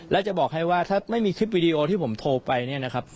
แล้วจะบอกให้ว่าถ้าไม่มีคลิปวิดีโอที่ผมโทรไปเนี่ยนะครับ